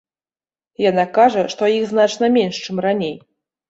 Яна кажа, што іх значна менш, чым раней.